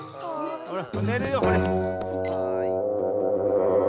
ほらねるよほれ。